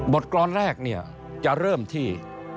บทกรอนแรกจะเริ่มที่